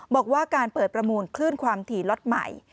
บอกว่าการเปิดประมูลคลื่นความถี่ล็อตใหม่